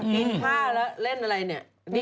ปีนผ้าแล้วเล่นอะไรเนื่อย